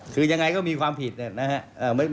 คือยังไงก็มีความผิดนะครับ